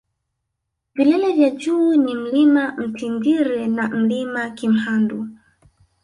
vilele vya juu ni mlima mtingire na mlima kimhandu